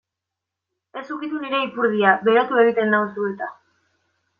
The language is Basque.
Ez ukitu nire ipurdia berotu egiten nauzu eta.